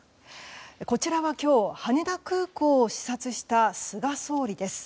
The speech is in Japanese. こちらは、今日羽田空港を視察した菅総理です。